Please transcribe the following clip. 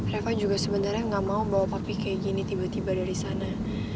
reva juga sebenarnya gak mau bawa papi kayak gini tiba tiba dari sana